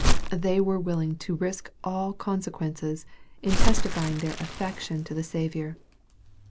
They were willing to risk all conse quences in testifying their affection to their Saviour.